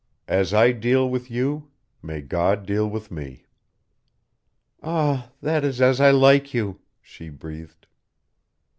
As I deal with you, may God deal with me." "Ah, that is as I like you," she breathed.